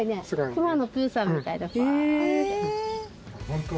『くまのプーさん』みたいバーッて。